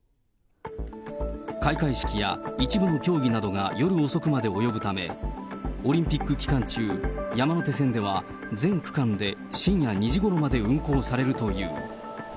開会式や一部の競技などが夜遅くまで及ぶため、オリンピック期間中、山手線では、全区間で深夜２時ごろまで運行されるという。